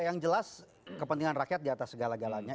yang jelas kepentingan rakyat di atas segala galanya